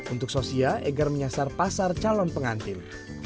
untuk sosia egar menyasar pasar calon pengantin